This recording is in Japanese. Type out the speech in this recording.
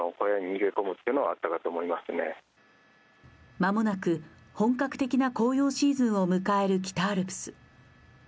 間もなく本格的な紅葉シーズンを迎える北アルプス。